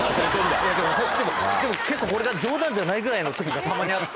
でも結構これが冗談じゃないぐらいの時がたまにあって。